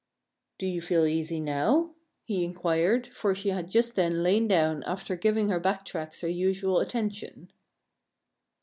"Do you feel easy now?" he inquired, for she had just then lain down after giving her back tracks her usual attention.